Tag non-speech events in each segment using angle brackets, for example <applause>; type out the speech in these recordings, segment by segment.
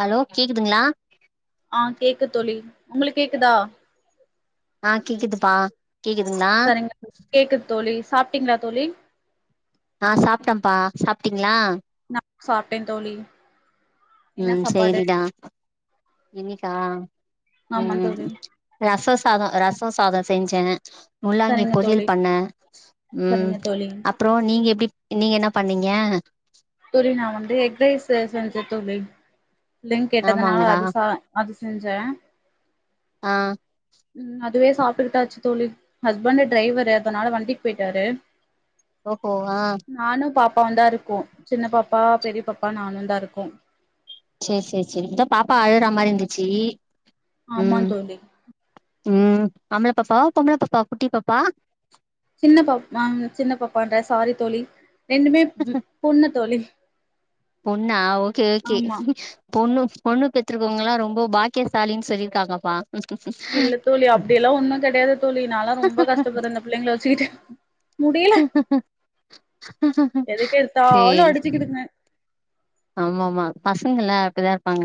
Hello கேக்குதுங்களா ஆ கேக்கு தோழி உங்களுக் கேக்குதா ஆ கேக்குதுப்பா கேக்குதுங்ளா சரிங்க கேக்குத் தோழி சாப்ட்டீங்ளா தோழி ஆ சாப்ட்டம்ப்பா சாப்ட்டிங்ளா நா சாப்ட்டே தோழி என்ன ம் சாப்பாடு சேரிடா இன்னிக்கா ஆமா ம் தோழி ரசொ சாதொ ரசொ சாதொ செஞ்சே முள்ளாங்கி சரிங்க தோழி பொரியல் பண்ண ம் சரிங்க தோழி அப் ட்றோ நீங்க எப்டி நீங்க என்னபண்ணீங்க தோழி நாவந்து எக்ரைஸ் செஞ்ச தோழி பிள்ளங் கேட்டதுனால ஆமாங்களா அது சா அது செஞ்சே ஆ அதுவே சாப்பிட்டுக்கிட்டாச்சு தோழி ஹஸ்பண்ட்டு டிரைவர்ரு அதுனால வண்டிக்கு பொயிட்டாரு ஓஹோ ஆ நானு பாப்பாவு தாருக்கோ சின்ன பாப்பா பெரிய பாப்பா நானு தாருக்கோ சேர் சேர் சேரி இத்தா பாப்பா அழுற மாரிருந்துச்சு ஆமா ம் தோழி ம் ஆம்பளப்பப்பா ஆ பொம்பள பாப்பா குட்டிப்பாப்பா சின்ன பாப்பான் சின்ன பாப்பான்ரே சாரி தோழி ரெண்டுமே ம் பொண்ணு தோழி பொண்ணா ஓக்கே ஓக்கே ஆமா பொண்ணு பொண்ணு பெத்திருக்கவங்கல்லா ரெம்போ பாக்கியசாலின் சொல்லிருக்காங்கப்பா இல்ல தோழி அப்டியெல்லா ஒன்னு கெடயாது தோழி நால்லா ரொம்ப கஷ்டப்படுற இந்த பிள்ளைங்கள வச்சிக்கிட்டு எதுக்கு எடுத்தாலு சேரி அடிச்சுக்கிதுங்க ஆம்மா ஆம்மா பசங்கல்ல அப்டிதாருப்பாங்க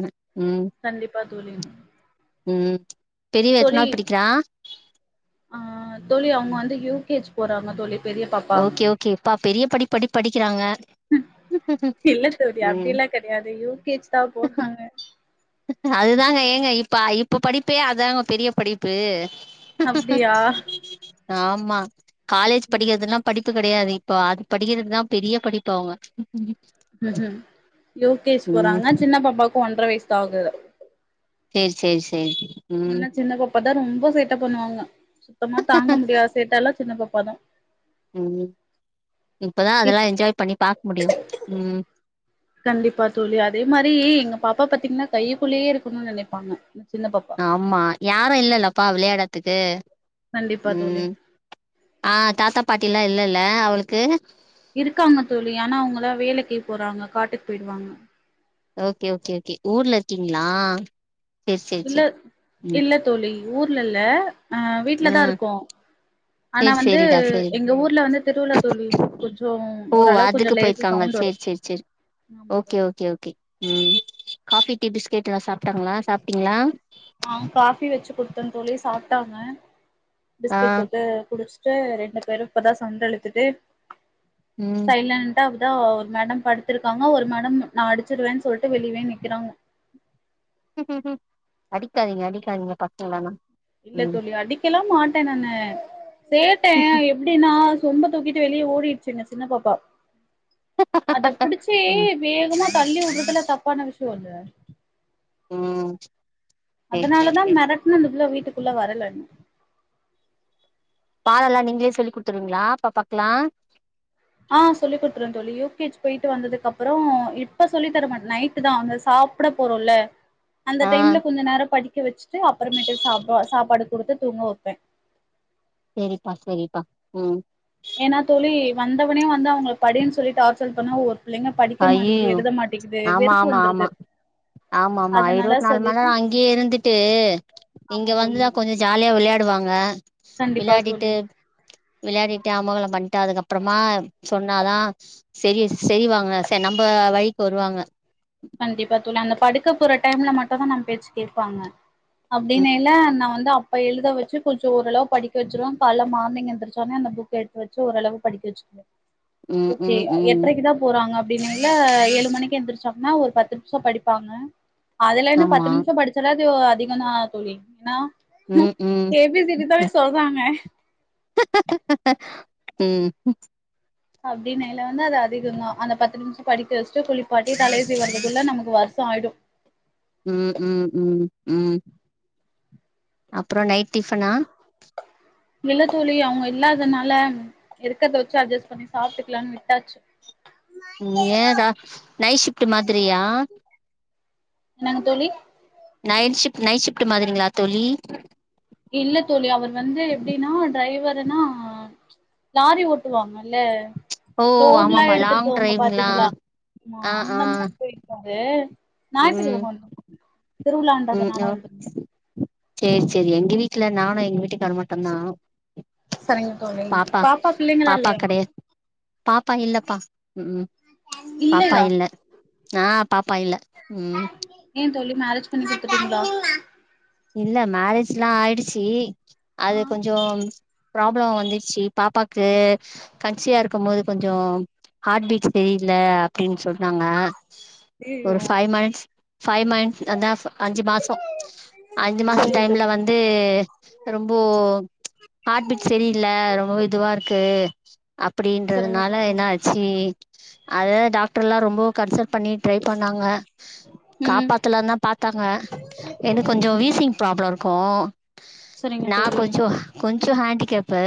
கண்டிப்பா தோழி ம் பெரிய்வ தோழி எத்தனாது படிக்கிறா ஆ தோழி அவுங்க வந்து யூ கே ச் போறாங்க தோழி பெரிய பாப்பா ஓக்கே ஓக்கே ப்பா பெரிய படிப் படிப் படிக்கிறாங்க இல்ல தோழி ம் அப்டில்லா கெடயாது யூ கே ச் தா போறாங்க அதுதாங்க ஏங்க இப்ப இப்ப படிப்பே அதாங்க பெரிய படிப்பு அப்டியா ஆம்மா காலேஜ் ம் படிக்கற்துல்லா படிப்பு கெடையாது இப்ப அது படிக்கிறதுக்குதா பெரிய படிப்பு அவுங்க ம் யு கே ஜ் போறாங்க சின்ன பாப்பாக்கு ஒன்றவய்சு தா ஆகுது சேர் சேர் சேரி ம் ஆனா சின்ன பாப்பா தா ரொம்ப சேட்ட பண்ணுவாங்க சுத்தமா தாங்க முடியாத சேட்டெல்லா சின்ன பாப்பாதா ம் இப்பதா இப் அதெல்லா என்ஜாய் பண்ணி பாக்முடியு ம் கண்டிப்பா தோழி அதே மாரி எங்க பாப்பா பாத்தீங்ன்னா கையக்குள்ளேயே இருக்கணும்னு நெனைப்பாங்க சின்ன பாப்பா ஆம்மா யாரு இல்லல்லப்பா விளையாடத்துக்கு கண்டிப்பா தோழி ம் ஆ தாத்தா பாட்டில்லா இல்லல்ல அவுள்க்கு இருக்காங்க தோழி ஆனா அவுங்களா வேலைக்கு போறாங்க காட்டுக்கு போயிடுவாங்க ஓகே ஓகே ஓகே ஊர்ல இருக்கீங்ளா இல்ல இல்ல தோழி ஊர்ல இல்ல அ ஆ வீட்லதா இருக்கோ ஆனா சேரி வந்து சேரிடா சேரி எங்க ஊர்ல வந்து திருவிழா தோழி கொஞ்சோ ஓரளவுக்கு கொஞ்சோ லேசா சவுண்ட் வரு சேர் சேரி ஆமா ஓகே தோழி ஓகே ஓகே ம் காஃபி டீ பிஸ்கெட் எல்லா சாப்ட்டாங்ளா சாப்ட்டீங்ளா ஆ காஃபி வச்சு குடுத்தே தோழி சாப்ட்டாங்க ஆ பிஸ்கெட் தொட்டு குடிச் ரெண்டு பேரு இப்பதா சண்ட இழுத்துட்டு ம் சைலன்டா அப்பதா ஒரு மேடம் படுத்துருக்காங்க ஒரு மேடம் நா அடிச்சிருவேன்னு சொல்லிட்டு வெளியே நிக்கிறாங்க அடிக்காதீங்க அடிக்காதீங்க பசங்ளல்லா இல்ல தோழி அடிக்கெல்லா மாட்டே நானு சேட்டே எப்டின்னா சொம்பத் தூக்கிட்டு வெளியே ஓடிருச்சுங்க சின்ன பாப்பா அதப் புடிச் சி ம் வேகமா தள்ளி வுட்றதுல தப்பான விஷ்யோல்ல ம் சேரி சேரி அதனாலதா சேரி மெரட்ன அந்த புள்ள வீட்டுக்குள்ள வரலன்னு பாடோல்லா நீங்ளே சொல்லிக் குடுத்துருவீங்ளா பாப்பாக்லா ஆ சொல்லி குடுத்துருவே தோழி யூ கே ஜி பொய்ட்டு வந்ததுக்கு அப்றோ இப்ப சொல்லி தர மாட் நைட்டுதா அந்த சாப் ப்ட போறோல்ல அந்த ஆ டைம்ல கொஞ்ச நேரோ படிக்க வச்சுட்டு அப்றமேட்டுக் சாப்ப சாப்பாடு குடுத்து தூங்க வப்பே சேரிப்பா சரிப்பா ம் ஏனா தோழி வந்தவொட்னே வந்து அவுங்ள படி சொல்லி டார்ச்சர் பண்ணா ஒரு புள்ளைங்க படிக்க மாட்டேகிது ஐயயோ எழுத மாட்டேகிது ஆமா வெறுப்பு ஆமா ஆமா வந்துருது ஆமா ஆமா அதனால இருவத்தி நாலு மண் சொல்லிட்டு நேரோ அங்கே இருந்துட்டு ஆமா இங்க தோழி வந்துதா கொஞ்சோ ஜாலியா விளையாடுவாங்க கண்டிப்பா தோழி விளாயாடிட்டு விளையாடிட்டு அமகலம் பண்ட்டு அதுக்கு அப்றமா சொன்னாதா செரி செய்வாங்க சே நம்ப வழிக்கு வருவாங்க கண்டிப்பா தோழி அந்தப் படுக்க போற டைம்ல மட்டுதா நம் பேச்ச கேப்பாங்க அப்டினெல்ல நா வந்து அப் ப்ப எழுத வச்சு கொஞ்சோ ஓரளவு படிக்க வச்சிருவோ கால்ல மார்னிங் எந்திரச்சோனே அந்த புக் எடுத்து வச்சு ஓரளவு படிக்க வச் சிருவே ம் ம் ஓகே ம் ம் எட்றைக்குதா போறாங்க அப்டின்னால்ல ஏழு மணிக்கு எந்திரிச்சோம்ன்னா ஒரு பத்து நிம்ஷோ படிப்பாங்க அதுல இன்னு ஆமா பத்து நிம்ஷோ படிச்சால அது அதிகதான தோழி ஏனா ம் ஏ பி சி டி தான சொல்றாங்க ம் அப்டின்நினையில வந்து அது அதிகந்தா அந்த பத்து நிம்ஷோ படிக்க வச்ட்டு குளிப்பாட்டி தலைய சீவறதுக்குள்ல நமக்கு வர்ஷோ ஆய்டு ம் ம் ம் ம் அப்றோ நைட் டிஃபனா இல்ல தோழி அவுங்க இல்லாதனால இருக்றத வச்சு அட்ஜஸ்ட் பண்ணி சாப்ட்டுக்லானு விட்டாச்சு நீயேதா நைட் ஷிஃப்ட்டு மாத்துரியா என்னாங்க தோழி நைட் ஷிஃப்ட் நைட் ஷிஃப்ட் மாதிரிங்ளா தோழி இல்ல தோழி அவர் வந்து எப்டின்னா டிரைவருனா லாரி ஓட்டுவாங்கள்ல ஓ லோட்ல்லா ஆமாமா எடுத்துட் லாங் போவாங்க டிரைவ்ங்களா பாத்திங்ளா ஆமா ஆ ஆ அந்த மாரி பொய்ட் அது ஞாயித்துக்கிழம வந்து ம் ம் சேரி சேரி எங்க வீட்ல நானு எங்க வீட்டுக்காரு மட்டுதா சரிங்க தோழி பாப்பா பிள்ளைங்களா இல்லையா பாப்பாக் கிடையா பாப்பா இல்ல பா ம் ம் பாப்பா இல்லையா இல்ல ஆ பாப்பா இல்ல ம் ஏன் தோழி மேரேஜ் பண்ணி குடுத்துடீங்ளா இல்ல மேரேஜ்ல்லா ஆயிடுச்சு அது ஆ கொஞ்சோ ப்ராப்ளம் வந்துச்சு பாப்பாக்கு கன்சிவா இருக்கும் போது கொஞ்சோ ஹார்ட் பீட் தெரியில்ல அப்படின்னு சொன்னாங்க ஐயையோ ஒரு ஃபைவ் மந்த்ஸ் ஃபைவ் மந்த்ஸ் அதா அஞ்சு மாசோ அஞ்சு மாச சரிங்க டைம்ல தோழி வந்து ரொம்போ ம்ச் ஹார்ட் பீட் செரியில்ல ரொம்பவே இதுவா இருக்கு சரிங்க அப்டின்றதுனால தோழி என்னாச்சு அத டாக்டர் எல்லா ரொம்போ கன்சல்ட் பண்ணி ட்ரை பண்ணாங்க ம் காப்பாத்தலா தா பாத்தாங்க எனக்கு கொஞ்சோ வீசிங் ப்ராப்ளம் இருக்கும் சரிங்க நான் தோழி கொஞ்சோ கொஞ்சோ ஹேண்டிகேப்பு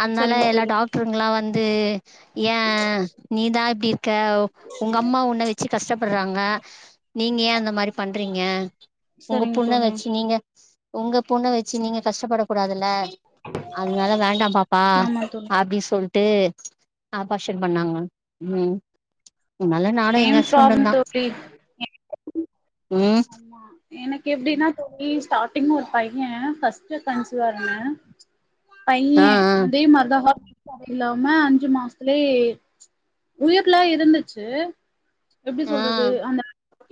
அதனால சரிங்க எல்லா தோழி டாக் டருங்களா வந்து ஏ நீதா இப்டி இருக்க உங்க அம்மா உண்ண வச் சு கஷ்டப்படுறாங்க நீங்க ஏ அந்த மாரி பண்றீங்க உங்க சரிங்க பொண்ண தோழி வச்சு நீங்க உங்க பொண்ண வச்சு நீங்க கஷ்டப்பட கூடாதுல்ல அதனால வேண்டா பாப்பா ஆமா தோழி அப்டி சொல்லிட்டு ஆபாஷன் பண்ணாங்க ம் அதனால நானு எங்க சேம் ப்ராப்ளம் ஹஸ்பண்ட்டுந்தா தோழி ம் எனக்கு எப்டின்னா தோழி ஸ்டார்டிங் ஒரு பைய ஃபஸ்ட்டு கன்சிவ்வா இருந்தேன் பைய ஆ ஆ அதே மாரிதா ஹாட் பீட் இல்லாம அஞ்சு மாசத்துலயே உயிருலா இருந்துச்சு எப்டி ஆ சொல்றது அந்த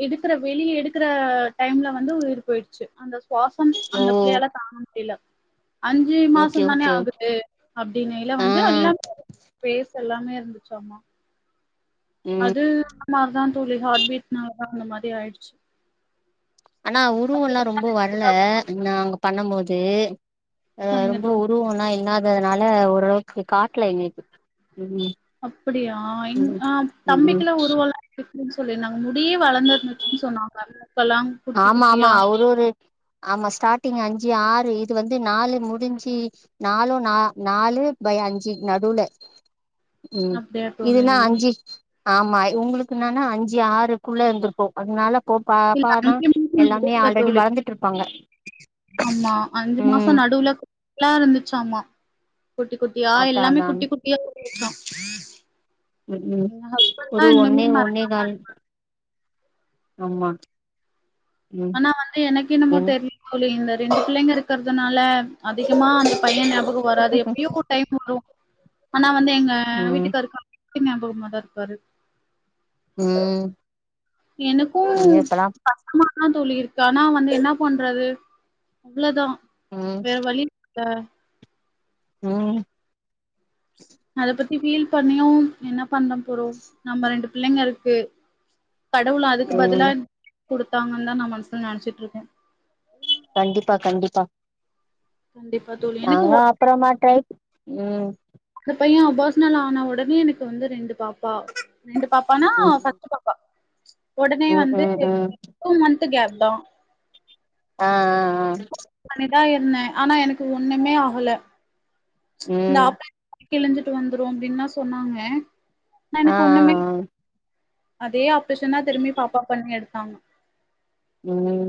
எடுக்கற வெளிய எடுக்கற டைம்ல வந்து உயிர் போயிடுச்சு அந்த சுவசன் ஓ அந்த பிள்ளையால தாங்க முடியல அஞ்சு ஓகே மாசம் தானே ஓகே ஆகுது அப்டினையில ஆ வந்து எல்லாமே ஃபேஸ் எல்லாமே இருந்துச்சமா ம் அது அந்த மாரிதான் தோழி ஹார்ட் பீட்னால தா அந்த மாரி ஆயிடுச்சு ஆனா உருவெல்லா ரொம்ப வரல நா அங்க பண்ண போது அ சொன்னீங்க ரொம்ப தோழி உருவம்லா இல்லாததுனால ஓரளவுக்கு காட்டல எங்களுக்கு ம் அப்டியா எங் ம் ஆ ம் ம் தம்பிக்குல உருவல இருந்துச்சுன்னு சொல்லிருதாங்க முடியே வளந்த இருந்துச்சுன்னு சொன்னாங்க மூக்கு எல்லா ஆமா ஆமா அவுரு ஒரு ஆமா ஸ்டார்டிங் அஞ்சு ஆறு இது வந்து நாலு முடிஞ்சு நாலு நா நாலு பை அஞ்சு நடுல ம் அப்டியா தோழி இதுன்னா அஞ்சு ஆமா இவங்களுக்கு என்னன்னா அஞ்சு ஆறுக்குள்ள இருந்திருக்கும் அதனால போ பாப்பானா ஹம் ஹம் எல்லாமே நடுவுல ஆல்ரெடி தோழி வளந்துட்டு இருப்பாங்க ஆமா அஞ்சு மாச ம் நடுவுல எல்லா இருந்துச்சமா குட்டி குட்டியா அதா எல்லாமே அதா குட்டி குட்டியா இருந்துச்ச ம் ம் ஒரு ஒன்னே இன்னுமே ஒன்னே மறக்காம கால் இருக்கு. ஆமா ம் ஆனா வந்து எனக்கு எனமோ என் தெரிய தோழி இந்த ரெண்டு பிள்ளைங்க இருக்கிறதுனால அதிகமா அந்த பைய ஞாபகம் வராது எப்பயோ டைம் வரு ஆன வந்து எங்க ம் வீட்டுகாருக்கு வீட்டு ஞாபகமா தா இருப்பாரு ம் எனக்கு எங்க இப்பலா கஷ்டமாதா தோழி இருக்கு ஆனா வந்து என்னா பண்றது அவ்ளதா ம் வேற வழி ஆ உம் அத பத்தி பீல் பண்ணியு என்ன பண்ண போறோ நம்ம ரெண்டு பிள்ளைங்க இருக்கு கடவுள் அதுக்கு பதிலா ம் குடுத்தாங்க தா நா மனசுல நெனச்சிட்டு இருக்கே கண்டிப்பா கண்டிப்பா கண்டிப்பா தோழி எனக்கு நாங்க ஒரு அப்புறமா ட்ரை ம் அந்த பைய அபார்சனல் ஆன உடனே வந்து எனக்கு வந்து ரெண்டு பாப்பா ரெண்டு பாப்பானா ம் பஸ்ட்டு ஒடனே ம் வந்து ம் ம் டூ மந்த் கேப் தா ஆ ஆ ஆ பண்ணிதா இருந்தே ஆனா எனக்கு ஒன்னுமே ஆகல இந்த ம் ஆப்ரே கிழுஞ்சிட்டு வந்துரு அப்டின்தா சொன்னாங்க ஆனா ஆ ஆ எனக்கு ஒன்னுமே ஆ அதே ஆப்பரேஷன்தா திரும்பி பாப்பா பண்ணி எடுத்தாங்க உம்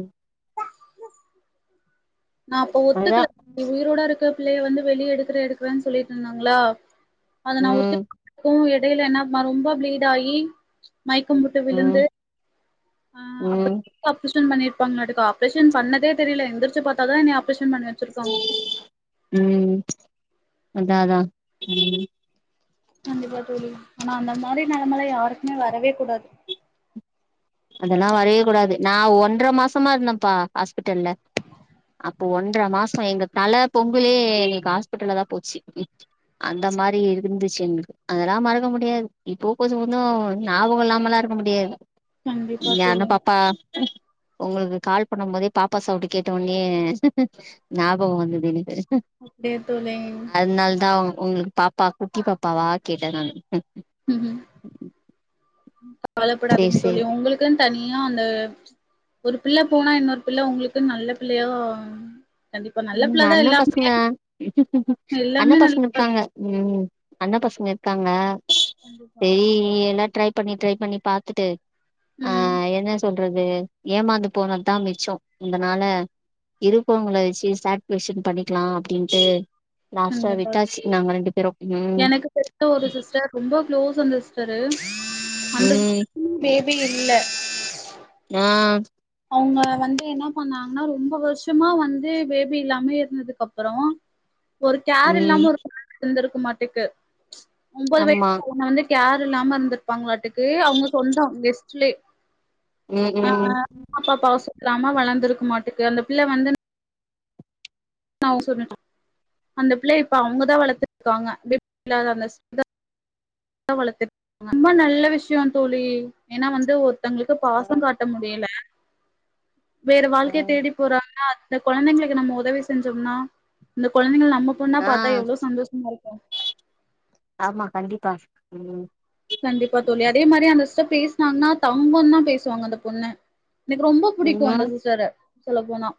நான அப்ப அதா ஒத்துக்கல உயிரோட இருக்க புள்ளய வந்து வெளியே எடுக்குறே எக்குறேன்னு சொல்லிட்டு இருந்தாங்ளா அத நா ம் ஒத்துக்கு எடயில என்ன ரொம்ப பிளீட் ஆகி மயக்கம் போட்டு ம் விழுந்து ம் ஆ ஆப்ரேஷன் பண்ணிருப்பாங்க ஆப்ரேஷன் பண்ணதே தெரியல எந்துருச்சு பாத்தாத நீ ஆப்ரேஷன் பண்ணுவ ம் அதா அதா ம் கண்டிப்பா தோழி ஆனா அந்த மாரி நெலமல்லா யாருக்குமே வரவே கூடாது அதெல்லா வரவே கூடாது நா ஒன்ற மாசமா இருந்தப்பா ஹாஸ்பிட்டல்ல அப்போ ஒன்றர மாசோ எங்க தல பொங்கலே எங்க ஹாஸ்பிட்டல்ல தா போச்சு அந்த மாரி இருந்துச்சு எங்களுக்கு அதெல்லா மறக்க முடியாது இப்போ கொஞ்ச கொஞ்சோ ஞாபகம் இல்லாம எல்லாம் இருக்க முடியாது கண்டிப்பா யான்னு தோழி பாப்பா ஒங்களுக்கு கால் பண்ணும்போதே பாப்பா சவுண்டு கேட்ட உடனே ஞாபகம் வந்தது எனக்கு சேத்துள்ளேன் அதனால தா உங்களுக்கு பாப்பா குட்டி பாப்பாவா கேட்டே நானு சேரி காவலப்படாதீங்க சேரி தோழி உங்களுக்குன் தனியா அந்த ஒரு பிள்ள போனா இன்னொரு பிள்ள உங்களுக்கு நல்ல பிள்ளயா ம் அண்ண பசங்க அண்ண எல்லாமே பசங்க நல்லதுதான் இருக்காங்க ம் அண்ண பசங்க இருக்காங்க கண்டிப்பா. செரி எல்லா ட்ரைப் பண்ணி ட்ரைப் பண்ணி பாத்துட்டு ஆ ம். என்ன சொல்றது ஏமாந்து போனதுதா மிச்சோ இந்தனால இருப்பவங்கள வச்சு சாட்பிஷன் பண்ணிக்கலா அப்டின்ட்டு லாஸ்ட்ட கண்டிப்பா. விட்டாச்சு நாங்க ரெண்டு பேரும் ம் எனக்கு தெரிஞ்ச ஒரு சிஸ்டர் ரொம்ப க்ளோஸ் அந்த சிஸ்டரு அந்த ம் சிஸ்டருக்கு பேபி இல்ல ஆ அவுங்க வந்து என்னா பண்ணாங்கன்னா ரொம்ப வருஷமா வந்து பேபி இல்லாமே இருந்ததுக்கு அப்பறோ ஒரு கேர் ம் இல்லாம ஒரு இருந்திருக்க மாட்டேக்கு ஒம்பது ஆமா வயசுல ஒன்னு வந்து கேர் இல்லாம இருந்திருப்பாங்களாட்டுக்கு அவுங்க சொந்தோ கெஸ்ட்லே ம் ஆ ம் அம்மா அப்பா பாவ சுத்திராம வளர்ந்துருக்க மாட்டுக்கு அந்த புள்ள வந்து சொ அந்த புள்ள இப்ப அவுங்கதா வளர்த்துட்டு இருக்காங்க <unintelligible> புள்ள வளத்து ரொம்ப நல்ல விஷய தோழி ஏன்னா வந்து ஒருத்தங்களுக்கு பாசம் காட் ட முடியல வேற வாழ்க்கைய தேடி போறாக அந்த கொழந்தங்களுக்கு நம்ம உதவி செஞ்சோம்னா அந்த கொழந்தகள் நம்ம பொண்ணா ஆ பாத்தா எவ்ளோ சந்தோஷமா இருக்கு ஆமா கண்டிப்பா ம் கண்டிப்பா தோழி அதே மாரி அந்த சிஸ்டர் பேசினாங்கன்னா தங்கோன் தா பேசுவாங்க அந்த பொண்ண எனக்கு ரொம்ப புடிக்கு அந்த ம் சிஸ்டர சொல்ல போனா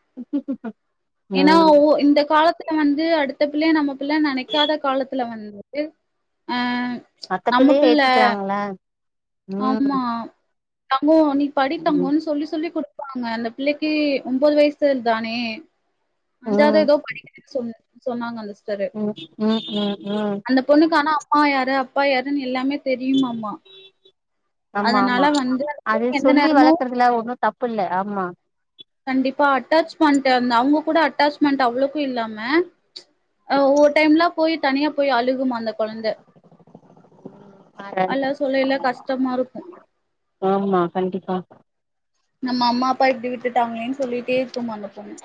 ஏன்னா ம் ஒ இந்த காலத் துல வந்து அடுத்த புள்ளய நம்ம புள்ளயா நெனக்காத காலத்துல வந்துட்டு அ மத்த பிள்ளயே ஏத்துக்குறாங்களா ம் அ தங்கோ நீ ம் படித்தங்கோன்னு சொல்லி சொல்லி குடு ப்பாங்க அந்த புள்ளக்கி ஒன்பது வயசுல தானே அஞ்சாவது ம் ஏதோ படிக்குதுன்னு சொன்ன சொன்னாங்க அந்த ம் ம் ம் ம் பொண்ணுக்கானா அம்மா யாரு அப்பா யாருன்னு எல்லாமே தெரியுமாமா ஆமா அதனால ஆமா வந்து அந்த அது பொண்ணு எந்த சொல்லி நேரமு வளக்குறதுல ஒன்னுதப்பு இல்ல ஆமா கண்டிப்பா அட்டாச்மெண்ட் அந்த அவுங்க கூட அட்டாச்மெண்ட் அவ்ளக்கு இல்லாம அ ஒ ஒர் டைம்லா போயி தனியா போயி அழுகுமா அந்த கொழந்தை அல்லா சொல்லைல கஷ்டமா இருக்கு ஆமா கண்டிப்பா நம்ம அம்மா அப்பா இப்டி விட்டுட்டாங்ளேன்னு சொல்லிட்டே இருக்குமா அந்த பொண்ணு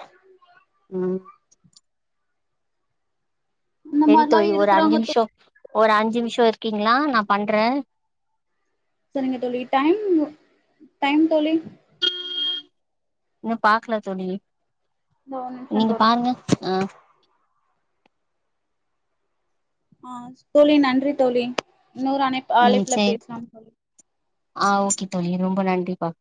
ம் அந்த செரி மாரிலா தோழி ஒரு இருக்குறாங்க அஞ்சிம்ஷோ தோழி ஒரு அஞ்சிம்ஷோ இருக்கீங்ளா நா பண்ற சரிங்க தோழி டைமு டைம் தோழி இன்னு பாக்ல தோழி இந்த ஒரு நிமிஷம் நீங்க தோழி பாருங்க அ அ தோழி நன்றி தோழி இன்னொரு அனைப் ம் சேரி அ ஓகே தோழி ரொம்ப நன்றிப்பா